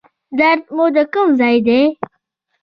درد مو د کوم ځای دی؟